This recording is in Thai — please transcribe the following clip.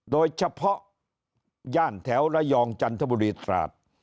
โดยเฉพาะย่านแถวระยองจันทบุรีตราด